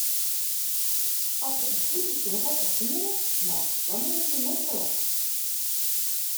At se in swipe sjogge en fiele no dan binne se net sa lekker.